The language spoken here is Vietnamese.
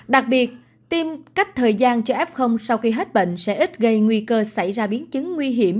đặc biệt tiêm cách thời gian cho f sau khi hết bệnh sẽ ít gây nguy cơ xảy ra biến chứng nguy hiểm